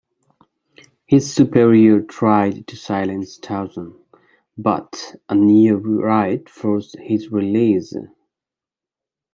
His superior tried to silence Tausen, but a near riot forced his release.